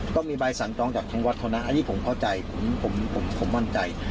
ต้องมีใบสั่งจองจากทางวัดเขานะอันนี้ผมเข้าใจผมมั่นใจ